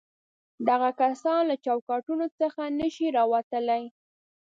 دغه کسان له چوکاټونو څخه نه شي راوتلای.